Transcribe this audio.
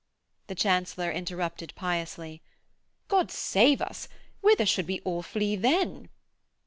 The Chancellor interrupted piously: 'God save us. Whither should we all flee then!'